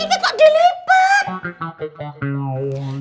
itu kok dilepet